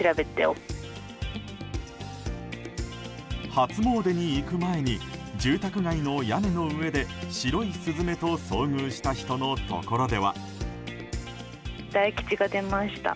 初詣に行く前に住宅街の屋根の上で白いスズメと遭遇した人のところでは。